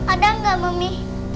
ada nggak mami